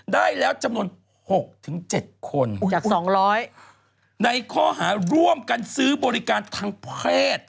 ได้แล้วจำนวน๖๗คนในข้อหาร่วมกันซื้อบริการทางแพทย์